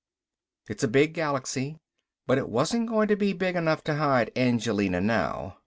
It's a big galaxy, but it wasn't going to be big enough to hide Angelina now.